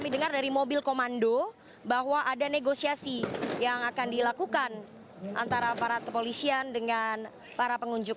tidak ada yang melempar batu